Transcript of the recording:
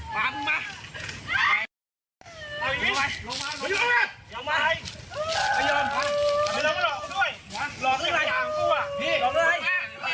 มามามา